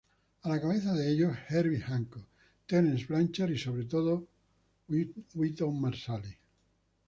A la cabeza de ellos, Herbie Hancock, Terence Blanchard y, sobre todo, Wynton Marsalis.